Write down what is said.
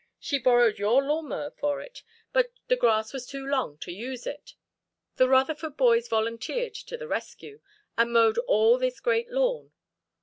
She borrowed your lawn mower for it, but the grass was too long to use it. The Rutherford boys volunteered to the rescue, and mowed all this great lawn.